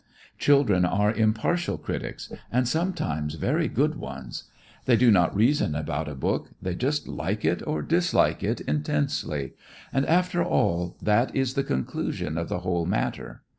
Children are impartial critics and sometimes very good ones. They do not reason about a book, they just like it or dislike it intensely, and after all that is the conclusion of the whole matter.